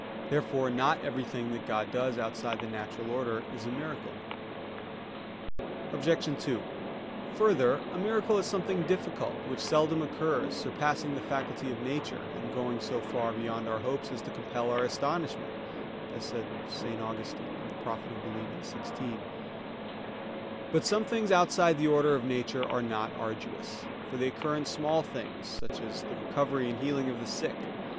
Therefore not everything that God does outside the natural order is a miracle. Obj. 2: Further, a miracle is "something difficult, which seldom occurs, surpassing the faculty of nature, and going so far beyond our hopes as to compel our astonishment" [*St. Augustine, De utilitate credendi xvi.]. But some things outside the order of nature are not arduous; for they occur in small things, such as the recovery and healing of the sick.